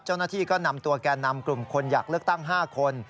เจ้าหน้าที่ก็นำตัวแก่นำกลุ่มคนอยากเลือกตั้ง๕คน